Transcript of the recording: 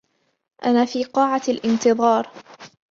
أنا في قاعة الإنتظار.